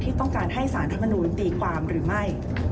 ต้องการให้สารธรรมนูลตีความหรือไม่